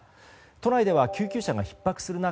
都内では救急車がひっ迫する中